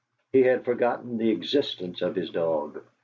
He had forgotten the existence of his dog.